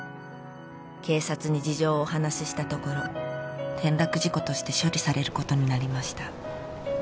「警察に事情をお話ししたところ」「転落事故として処理されることになりました」